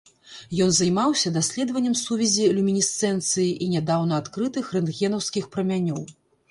Ён займаўся даследаваннем сувязі люмінесцэнцыі і нядаўна адкрытых рэнтгенаўскіх прамянёў.